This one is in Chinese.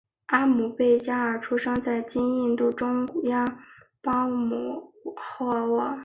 阿姆倍伽尔出生在今印度中央邦姆霍沃。